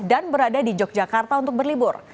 dan berada di yogyakarta untuk berlibur